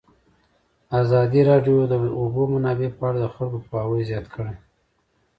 ازادي راډیو د د اوبو منابع په اړه د خلکو پوهاوی زیات کړی.